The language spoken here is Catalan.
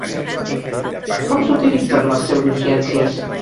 Com s’utilitzen les pseudociències?